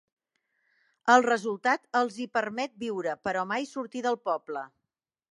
El resultat els hi permet viure, però mai sortir del poble.